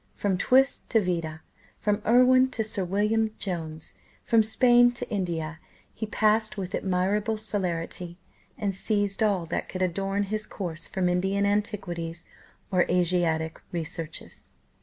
From Twiss to Vida, from Irwin to Sir William Jones, from Spain to India, he passed with admirable celerity, and seized all that could adorn his course from Indian Antiquities or Asiatic Researches.